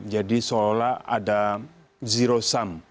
jadi seolah olah ada zero sum